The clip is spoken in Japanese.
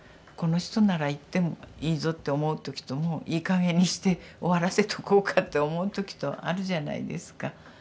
この人なら言ってもいいぞって思う時ともういいかげんにして終わらせとこうかと思う時とあるじゃないですか。